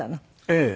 ええ。